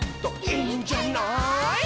「いいんじゃない」